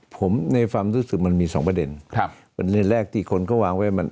ผมในความรู้สึกมันมี๒ประเด็นแรกที่คนก็วางไว้ว่า